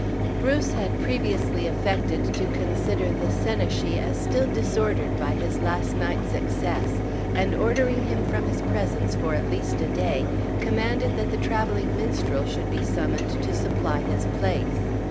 Bruce had previously affected to consider the senachie as still disordered by his last night's excess, and ordering him from his presence for at least a day, commanded that the traveling minstrel should be summoned to supply his place.